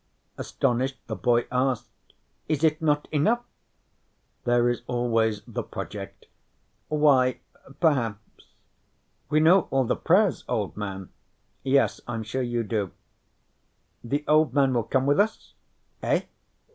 Astonished, the boy asked: "Is it not enough?" There is always The Project. "Why, perhaps." "We know all the prayers, Old Man." "Yes, I'm sure you do." "The Old Man will come with us." "Eh?"